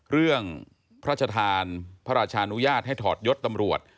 พระชธานพระราชานุญาตให้ถอดยศตำรวจ